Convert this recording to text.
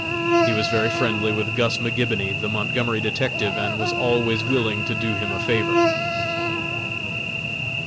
He was very friendly with Gus McGibony, the Montgomery detective, and was always willing to do him a favor.